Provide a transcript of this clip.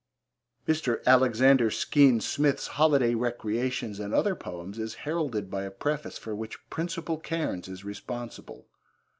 Mr. Alexander Skene Smith's Holiday Recreations and Other Poems is heralded by a preface for which Principal Cairns is responsible.